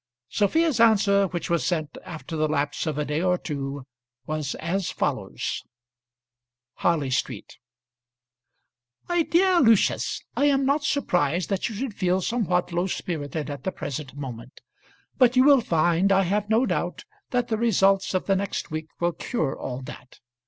Sophia's answer, which was sent after the lapse of a day or two, was as follows: Harley Street, . MY DEAR LUCIUS, I am not surprised that you should feel somewhat low spirited at the present moment; but you will find, I have no doubt, that the results of the next week will cure all that.